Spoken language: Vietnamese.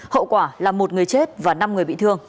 hậu quả là một người chết và năm người bị thương